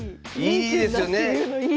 いいですよね。